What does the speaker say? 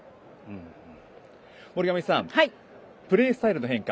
森上さんプレースタイルの変化。